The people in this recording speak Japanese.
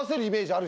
ある！